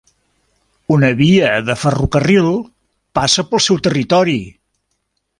Una via de ferrocarril passa pel seu territori.